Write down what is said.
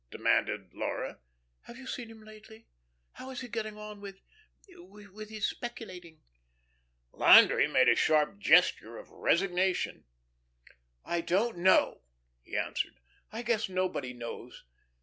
demanded Laura. "Have you seen him lately? How is he getting on with with his speculating?" Landry made a sharp gesture of resignation. "I don't know," he answered. "I guess nobody knows.